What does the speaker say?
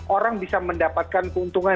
orang bisa mendapatkan keuntungan